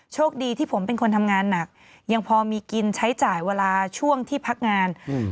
โชคดีที่ผมเป็นคนทำงานหนักยังพอมีกินใช้จ่ายเวลาช่วงที่พักงานอืม